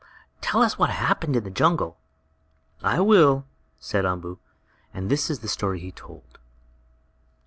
"Tell us what happened in the jungle." "I will," said Umboo, and this is the story he told.